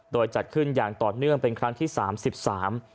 โดยจัดขึ้นอย่างต่อเนื่องเป็นครั้งที่สามสิบสาม